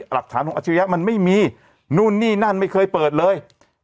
หลักฐานของอาชิริยะมันไม่มีนู่นนี่นั่นไม่เคยเปิดเลย